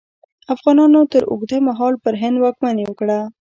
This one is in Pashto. افغانانو تر اوږده مهال پر هند واکمني وکړه.